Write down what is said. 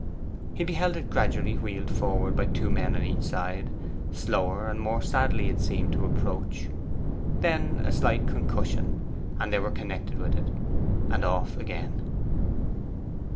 He beheld it gradually wheeled forward by two men on each side: slower and more sadly it seemed to approach: then a slight concussion, and they were connected with it, and off again.